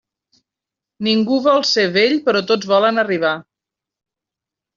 Ningú vol ser vell, però tots volen arribar.